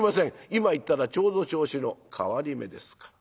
今行ったらちょうど銚子の替り目ですから」。